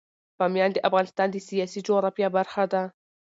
بامیان د افغانستان د سیاسي جغرافیه برخه ده.